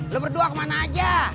lu berdua kemana aja